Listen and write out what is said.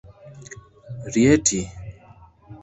Rieti.